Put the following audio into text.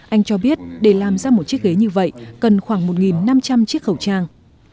anh cho biết để làm ra một chiếc ghế như vậy cần khoảng một năm trăm linh chiếc khẩu trang